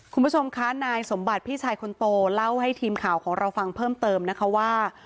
คุณผู้ชมคะนายสมบัติพี่ชายคนโตเล่าให้ทีมข่าวของเราฟังเพิ่มเติมนะคะว่า